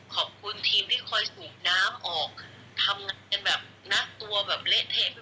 ขอบคุณทีมที่คอยสูงน้ำออกทำงานแบบหน้าตัวแบบเละเทะไปหมดเลยนะคะ